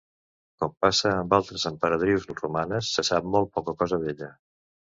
Com passa amb altres emperadrius romanes, se sap molt poca cosa d'ella.